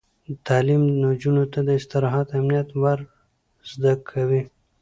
تعلیم نجونو ته د استراحت اهمیت ور زده کوي.